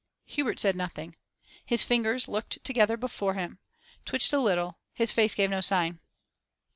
Hubert said nothing. His fingers, looked together before him, twitched a little; his face gave no sign.